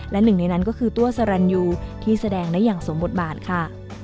และหนึ่งในนั้นก็คือตัวสรรยูที่แสดงได้อย่างสมบทบาทค่ะ